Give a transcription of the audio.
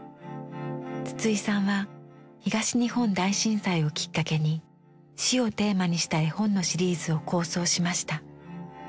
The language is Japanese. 筒井さんは東日本大震災をきっかけに「死」をテーマにした絵本のシリーズを構想しました。